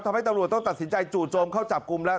ตำรวจต้องตัดสินใจจู่โจมเข้าจับกลุ่มแล้ว